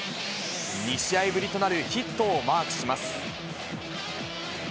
２試合ぶりとなるヒットをマークします。